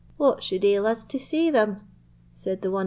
"What should ail us to see them?" said the one old woman.